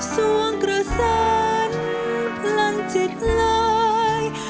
สวงกระสันพลังจิตลาย